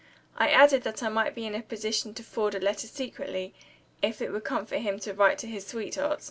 I added that I might be in a position to forward a letter secretly, if it would comfort him to write to his sweetheart.